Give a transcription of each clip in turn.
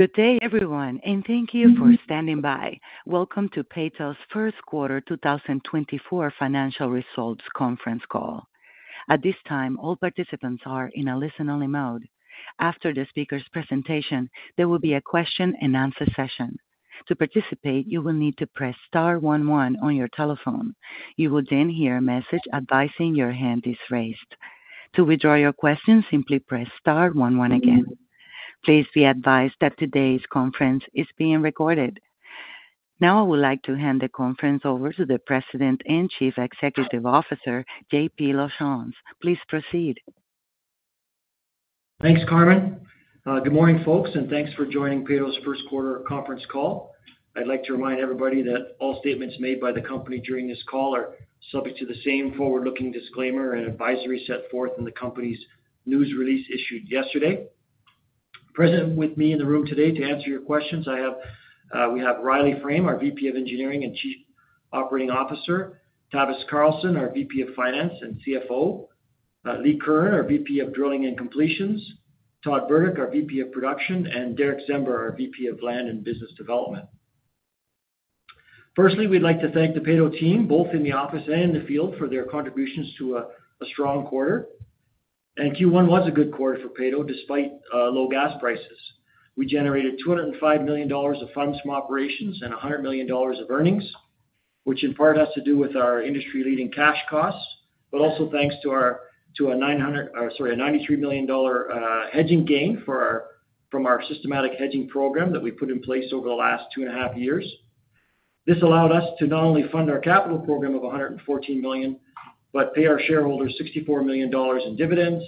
Good day, everyone, and thank you for standing by. Welcome to Peyto's First Quarter 2024 Financial Results Conference Call. At this time, all participants are in a listen-only mode. After the speaker's presentation, there will be a question-and-answer session. To participate, you will need to press star one one on your telephone. You will then hear a message advising your hand is raised. To withdraw your question, simply press star one one again. Please be advised that today's conference is being recorded. Now, I would like to hand the conference over to the President and Chief Executive Officer, J.P. Lachance. Please proceed. Thanks, Carmen. Good morning, folks, and thanks for joining Peyto's first quarter conference call. I'd like to remind everybody that all statements made by the company during this call are subject to the same forward-looking disclaimer and advisory set forth in the company's news release issued yesterday. Present with me in the room today to answer your questions, we have Riley Frame, our VP of Engineering and Chief Operating Officer; Tavis Carlson, our VP of Finance and CFO; Lee Curran, our VP of Drilling and Completions; Todd Burdick, our VP of Production; and Derick Czember, our VP of Land and Business Development. Firstly, we'd like to thank the Peyto team, both in the office and in the field, for their contributions to a strong quarter. Q1 was a good quarter for Peyto, despite low gas prices. We generated 205 million dollars of funds from operations and 100 million dollars of earnings, which in part has to do with our industry-leading cash costs, but also thanks to our to a ninety-three million dollar hedging gain from our systematic hedging program that we put in place over the last two and a half years. This allowed us to not only fund our capital program of 114 million, but pay our shareholders 64 million dollars in dividends,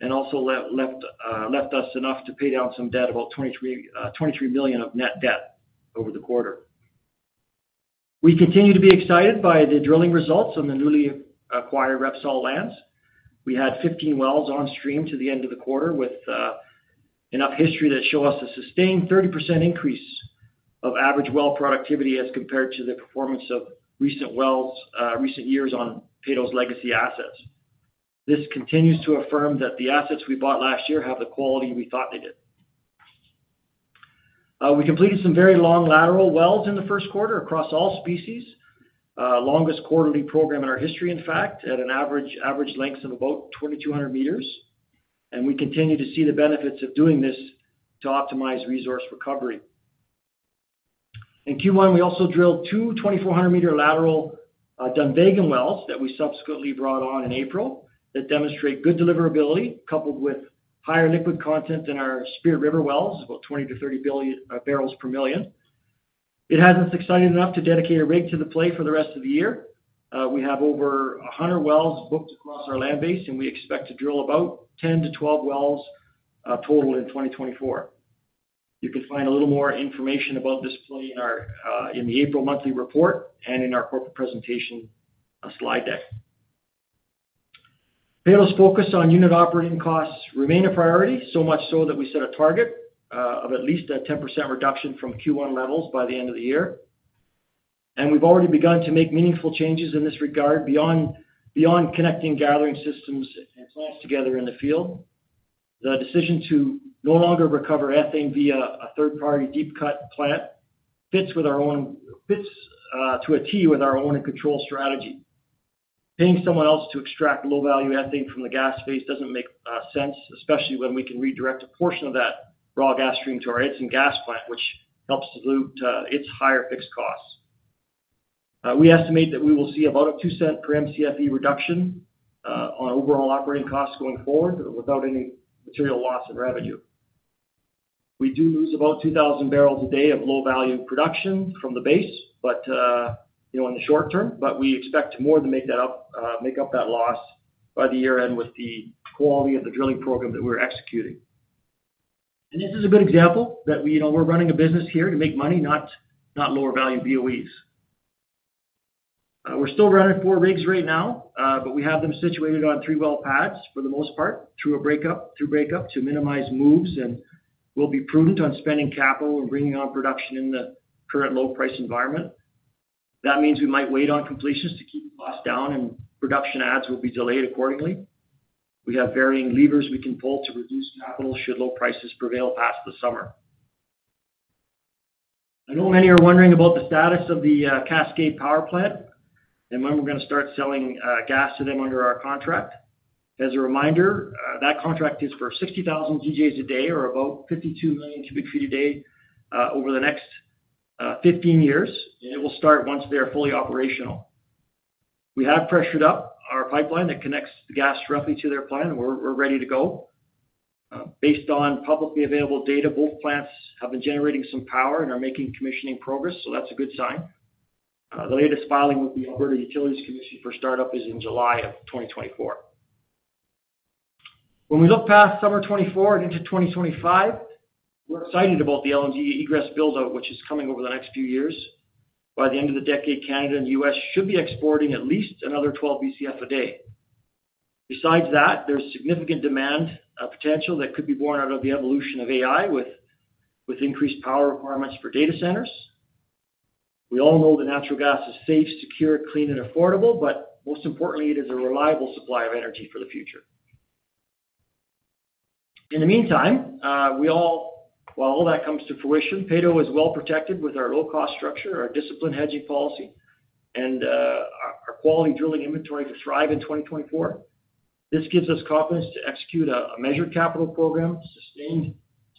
and also left us enough to pay down some debt, about 23 million of net debt over the quarter. We continue to be excited by the drilling results on the newly acquired Repsol lands. We had 15 wells on stream to the end of the quarter, with enough history to show us a sustained 30% increase of average well productivity as compared to the performance of recent wells, recent years on Peyto's legacy assets. This continues to affirm that the assets we bought last year have the quality we thought they did. We completed some very long lateral wells in the first quarter across all species. Longest quarterly program in our history, in fact, at an average, average length of about 2,200 meters, and we continue to see the benefits of doing this to optimize resource recovery. In Q1, we also drilled 2 2,400-meter lateral Dunvegan wells that we subsequently brought on in April, that demonstrate good deliverability, coupled with higher liquid content in our Spirit River wells, about 20-30 billion barrels per million. It has us excited enough to dedicate a rig to the play for the rest of the year. We have over 100 wells booked across our land base, and we expect to drill about 10-12 wells total in 2024. You can find a little more information about this play in our, in the April monthly report and in our corporate presentation slide deck. Peyto's focus on unit operating costs remain a priority, so much so that we set a target of at least a 10% reduction from Q1 levels by the end of the year. We've already begun to make meaningful changes in this regard, beyond connecting gathering systems and plants together in the field. The decision to no longer recover ethane via a third-party deep cut plant fits to a T with our own and control strategy. Paying someone else to extract low-value ethane from the gas phase doesn't make sense, especially when we can redirect a portion of that raw gas stream to our Edson Gas Plant, which helps to dilute its higher fixed costs. We estimate that we will see about a 0.02 per Mcfe reduction on overall operating costs going forward without any material loss in revenue. We do lose about 2,000 barrels a day of low-value production from the base, but, you know, in the short term, but we expect more to make that up, make up that loss by the year-end with the quality of the drilling program that we're executing. And this is a good example that we, you know, we're running a business here to make money, not lower-value BOEs. We're still running four rigs right now, but we have them situated on three well pads for the most part, through a break-up, to minimize moves, and we'll be prudent on spending capital and bringing on production in the current low price environment. That means we might wait on completions to keep costs down and production adds will be delayed accordingly. We have varying levers we can pull to reduce capital, should low prices prevail past the summer. I know many are wondering about the status of the Cascade Power plant and when we're gonna start selling gas to them under our contract. As a reminder, that contract is for 60,000 GJ a day, or about 52 million cubic feet a day, over the next 15 years, and it will start once they are fully operational. We have pressured up our pipeline that connects the gas roughly to their plant, and we're ready to go. Based on publicly available data, both plants have been generating some power and are making commissioning progress, so that's a good sign. The latest filing with the Alberta Utilities Commission for startup is in July of 2024. When we look past summer 2024 and into 2025, we're excited about the LNG egress build-out, which is coming over the next few years. By the end of the decade, Canada and the US should be exporting at least another 12 Bcf a day. Besides that, there's significant demand potential that could be born out of the evolution of AI, with increased power requirements for data centers... We all know that natural gas is safe, secure, clean, and affordable, but most importantly, it is a reliable supply of energy for the future. In the meantime, while all that comes to fruition, Peyto is well protected with our low-cost structure, our disciplined hedging policy, and our quality drilling inventory to thrive in 2024. This gives us confidence to execute a measured capital program,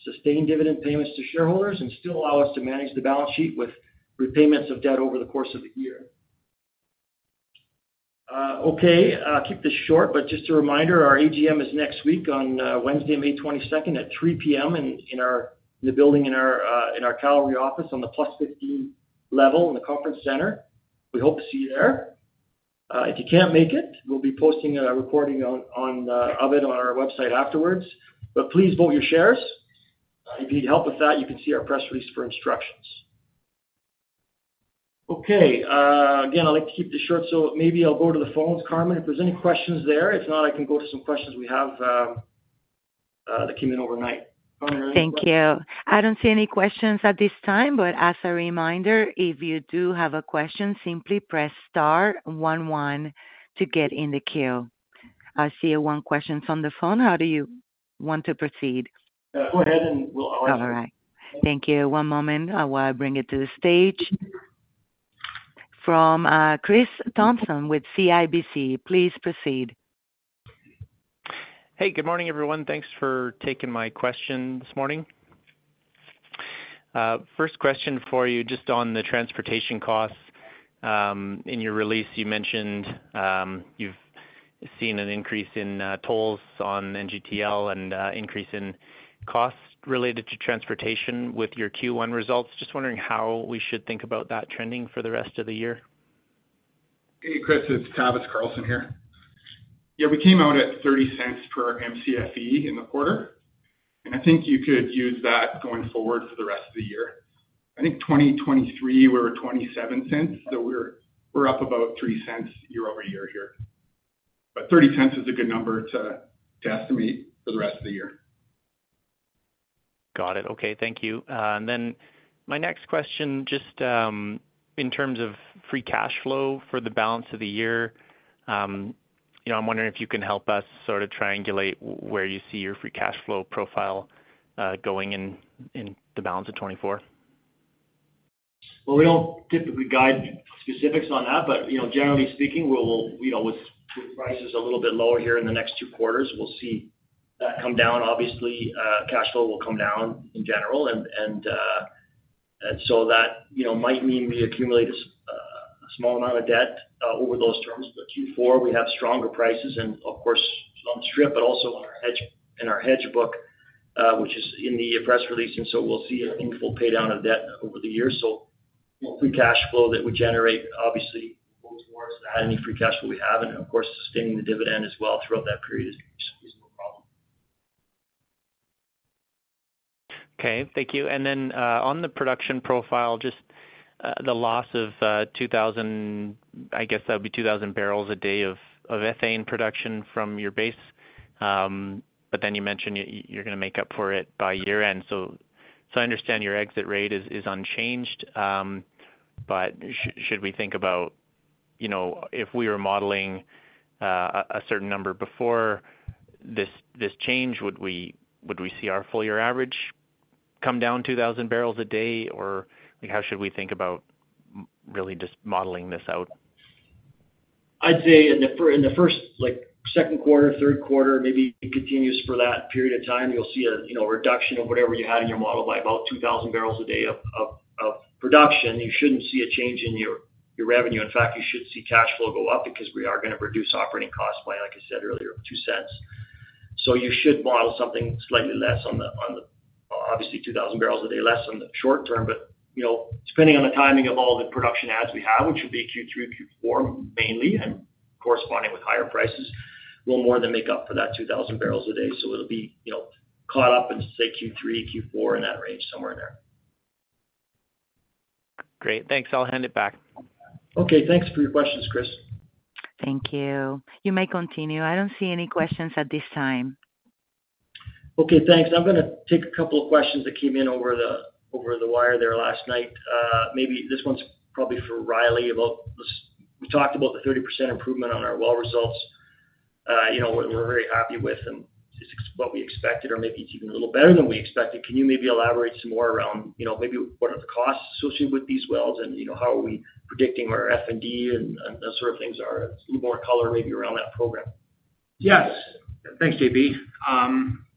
sustained dividend payments to shareholders, and still allow us to manage the balance sheet with repayments of debt over the course of the year. Okay, I'll keep this short, but just a reminder, our AGM is next week on Wednesday, May 22 at 3 P.M. in the building in our Calgary office on the Plus 15 level in the conference center. We hope to see you there. If you can't make it, we'll be posting a recording of it on our website afterwards, but please vote your shares. If you need help with that, you can see our press release for instructions. Okay, again, I'd like to keep this short, so maybe I'll go to the phones. Carmen, if there's any questions there? If not, I can go to some questions we have, that came in overnight. Carmen, any questions? Thank you. I don't see any questions at this time, but as a reminder, if you do have a question, simply press star one one to get in the queue. I see one question from the phone. How do you want to proceed? Go ahead, and we'll... All right. Thank you. One moment while I bring it to the stage. From Chris Thompson with CIBC. Please proceed. Hey, good morning, everyone. Thanks for taking my question this morning. First question for you, just on the transportation costs. In your release, you mentioned, you've seen an increase in tolls on NGTL and increase in costs related to transportation with your Q1 results. Just wondering how we should think about that trending for the rest of the year. Hey, Chris, it's Tavis Carlson here. Yeah, we came out at 0.30 per MCFE in the quarter, and I think you could use that going forward for the rest of the year. I think 2023, we were 0.27, so we're, we're up about 0.03 year-over-year here. But thirty cents is a good number to, to estimate for the rest of the year. Got it. Okay. Thank you. And then my next question, just, in terms of free cash flow for the balance of the year, you know, I'm wondering if you can help us sort of triangulate where you see your free cash flow profile, going in, in the balance of 2024. Well, we don't typically guide specifics on that, but, you know, generally speaking, we'll, you know, with prices a little bit lower here in the next two quarters, we'll see that come down. Obviously, cash flow will come down in general. And so that, you know, might mean we accumulate a small amount of debt over those terms. But Q4, we have stronger prices and of course, on the strip, but also on our hedge book, which is in the press release, and so we'll see a meaningful paydown of debt over the year. So what free cash flow that we generate, obviously, goes towards adding any free cash flow we have and, of course, sustaining the dividend as well throughout that period is no problem. Okay. Thank you. And then, on the production profile, just, the loss of, 2000, I guess, that would be 2000 barrels a day of ethane production from your base. But then you mentioned you're gonna make up for it by year-end. So, I understand your exit rate is unchanged, but should we think about, you know, if we were modeling, a certain number before this change, would we see our full year average come down 2000 barrels a day, or how should we think about really just modeling this out? I'd say in the first, like, second quarter, third quarter, maybe it continues for that period of time, you'll see a, you know, reduction of whatever you had in your model by about 2,000 barrels a day of production. You shouldn't see a change in your revenue. In fact, you should see cash flow go up because we are gonna reduce operating costs by, like I said earlier, 0.02. So you should model something slightly less on the, obviously, 2,000 barrels a day less on the short term. But, you know, depending on the timing of all the production adds we have, which would be Q3, Q4, mainly, and corresponding with higher prices, will more than make up for that 2,000 barrels a day. It'll be, you know, caught up in, say, Q3, Q4, in that range, somewhere in there. Great. Thanks. I'll hand it back. Okay, thanks for your questions, Chris. Thank you. You may continue. I don't see any questions at this time. Okay, thanks. I'm gonna take a couple of questions that came in over the wire there last night. Maybe this one's probably for Riley about this. We talked about the 30% improvement on our well results. You know, we're very happy with and it's what we expected, or maybe it's even a little better than we expected. Can you maybe elaborate some more around, you know, maybe what are the costs associated with these wells? And, you know, how are we predicting our F&D and those sort of things, a little more color maybe around that program. Yes. Thanks, JP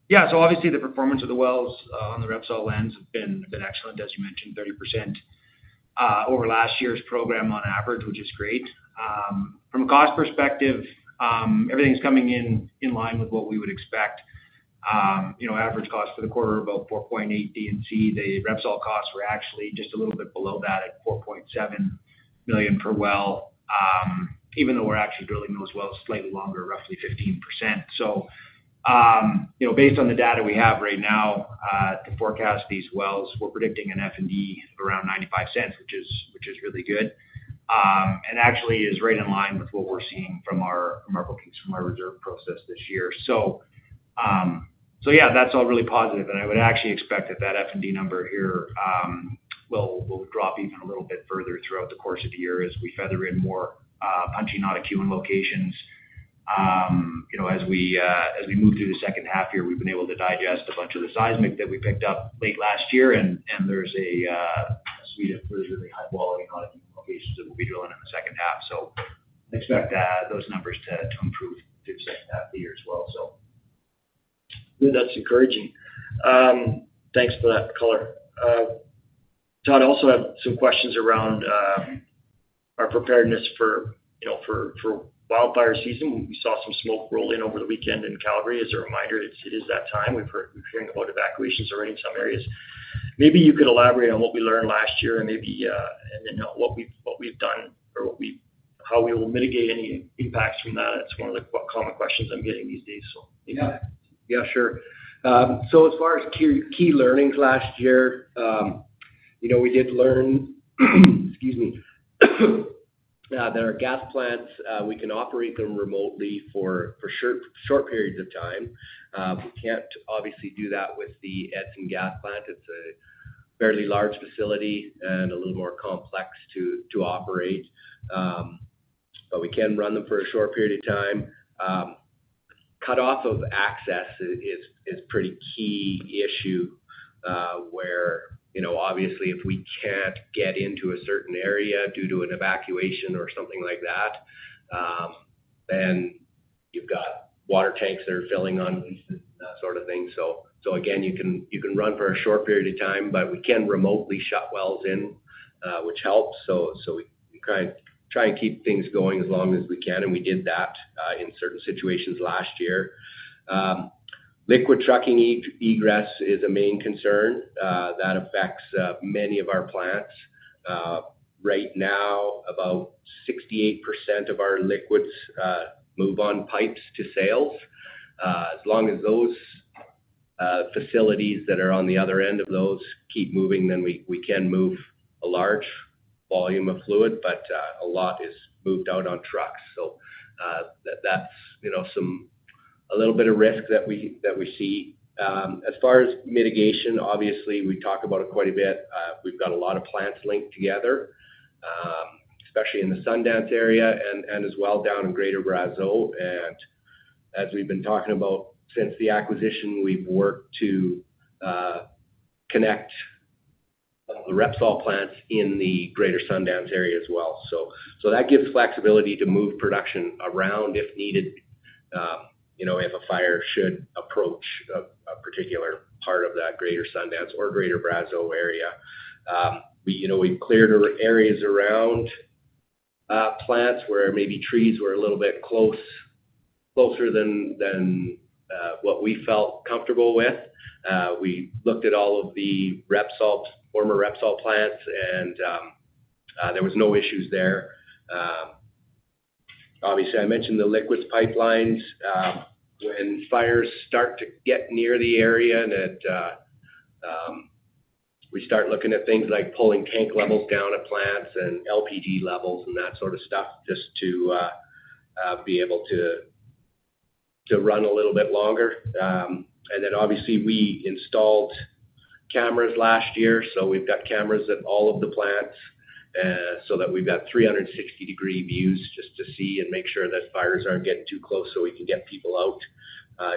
Yeah, so obviously the performance of the wells on the Repsol lands have been excellent, as you mentioned, 30% over last year's program on average, which is great. From a cost perspective, everything's coming in line with what we would expect. You know, average cost for the quarter, about 4.8 million D&C. The Repsol costs were actually just a little bit below that, at 4.7 million per well, even though we're actually drilling those wells slightly longer, roughly 15%. So, you know, based on the data we have right now, to forecast these wells, we're predicting an F&D around 0.95, which is really good. Actually is right in line with what we're seeing from our bookings, from our reserve process this year.... So yeah, that's all really positive, and I would actually expect that that F&D number here will drop even a little bit further throughout the course of the year as we feather in more punching out acumen locations. You know, as we move through the second half year, we've been able to digest a bunch of the seismic that we picked up late last year, and there's a suite of really high-quality audit locations that we'll be drilling in the second half. So I expect those numbers to improve through the second half of the year as well, so. Good, that's encouraging. Thanks for that color. Todd, I also have some questions around our preparedness for, you know, wildfire season. We saw some smoke roll in over the weekend in Calgary. As a reminder, it's that time. We're hearing about evacuations already in some areas. Maybe you could elaborate on what we learned last year and maybe and then, what we've done or how we will mitigate any impacts from that. It's one of the common questions I'm getting these days, so yeah. Yeah, sure. So as far as key learnings last year, you know, we did learn, excuse me, that our gas plants, we can operate them remotely for short periods of time. We can't obviously do that with the Edson Gas Plant. It's a fairly large facility and a little more complex to operate, but we can run them for a short period of time. Cut off of access is pretty key issue, where, you know, obviously, if we can't get into a certain area due to an evacuation or something like that, then you've got water tanks that are filling on, sort of thing. So again, you can run for a short period of time, but we can remotely shut wells in, which helps. So we try and keep things going as long as we can, and we did that in certain situations last year. Liquids trucking egress is a main concern that affects many of our plants. Right now, about 68% of our liquids move on pipes to sales. As long as those facilities that are on the other end of those keep moving, then we can move a large volume of fluid, but a lot is moved out on trucks. So that's, you know, some a little bit of risk that we see. As far as mitigation, obviously, we talk about it quite a bit. We've got a lot of plants linked together, especially in the Sundance area and as well down in Greater Brazeau. As we've been talking about since the acquisition, we've worked to connect the Repsol plants in the Greater Sundance area as well. So that gives flexibility to move production around if needed, you know, if a fire should approach a particular part of that Greater Sundance or Greater Brazeau area. We, you know, we've cleared areas around plants where maybe trees were a little bit close, closer than what we felt comfortable with. We looked at all of the Repsol, former Repsol plants, and there was no issues there. Obviously, I mentioned the liquids pipelines. When fires start to get near the area, then we start looking at things like pulling tank levels down at plants and LPG levels and that sort of stuff, just to be able to run a little bit longer. And then obviously, we installed cameras last year, so we've got cameras at all of the plants, so that we've got 360-degree views just to see and make sure that fires aren't getting too close so we can get people out,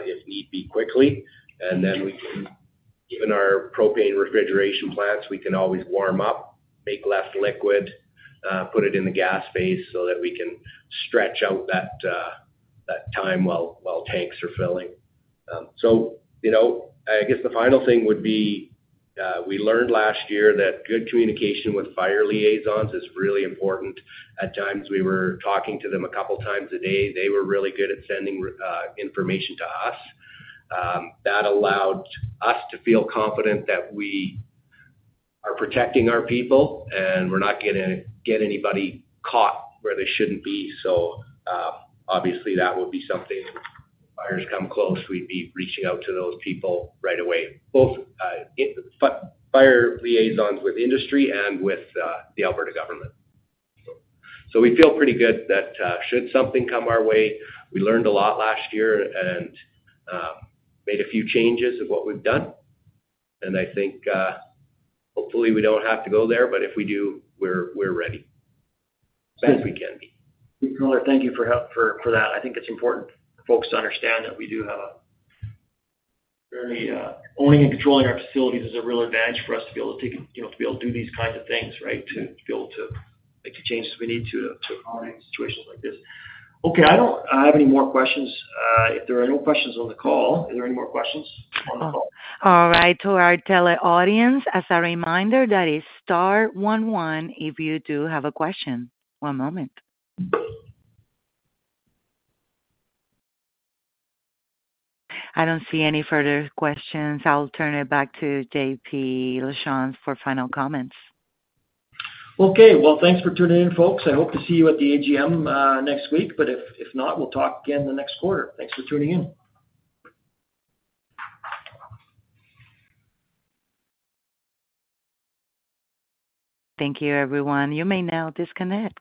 if need be, quickly. And then we can... Even our propane refrigeration plants, we can always warm up, make less liquid, put it in the gas phase so that we can stretch out that time while tanks are filling. So, you know, I guess the final thing would be, we learned last year that good communication with fire liaisons is really important. At times, we were talking to them a couple of times a day. They were really good at sending information to us. That allowed us to feel confident that we are protecting our people, and we're not gonna get anybody caught where they shouldn't be. So, obviously, that would be something; fires come close, we'd be reaching out to those people right away, both fire liaisons with industry and with the Alberta government. So we feel pretty good that, should something come our way, we learned a lot last year and made a few changes of what we've done. And I think, hopefully, we don't have to go there, but if we do, we're ready. Best we can be. Thank you for that. I think it's important for folks to understand that owning and controlling our facilities is a real advantage for us to be able to take, you know, to be able to do these kinds of things, right? To be able to make the changes we need to, to online situations like this. Okay, I don't have any more questions. If there are no questions on the call... Are there any more questions on the call? All right. To our tele audience, as a reminder, that is star one one, if you do have a question. One moment. I don't see any further questions. I'll turn it back to J.P. Lachance for final comments. Okay. Well, thanks for tuning in, folks. I hope to see you at the AGM next week, but if not, we'll talk again the next quarter. Thanks for tuning in. Thank you, everyone. You may now disconnect.